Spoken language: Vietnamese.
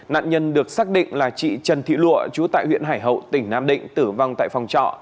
nạn nhân được xác định là chị trần thị lụa chú tại huyện hải hậu tỉnh nam định tử vong tại phòng trọ